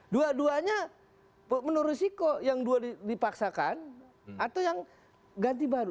dua duanya menurut risiko yang dua dipaksakan atau yang ganti baru